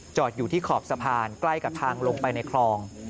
อยู่ที่ขอบสะพานใกล้กับทางลงไปในคลอง